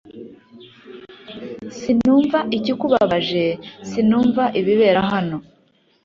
Sinumva ikikubabaje Sinumva ibibera hano